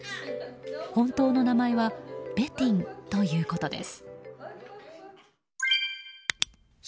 本当の名前はベティンということです。